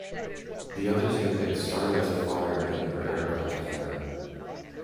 The other two hits started a fire in her aircraft hangar.